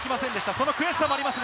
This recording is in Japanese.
その悔しさもあります。